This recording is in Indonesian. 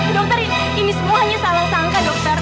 dokter ini semuanya salah sangka dokter